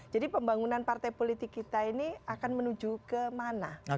jadi pembangunan partai politik kita ini akan menuju kemana